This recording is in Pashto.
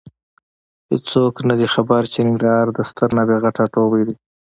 هېڅوک نه دي خبر چې ننګرهار د ستر نابغه ټاټوبی دی.